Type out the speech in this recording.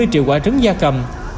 bảy mươi triệu quả trứng da cầm